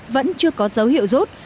vẫn chưa có dấu hiệu rút